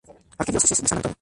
Arquidiócesis de San Antonio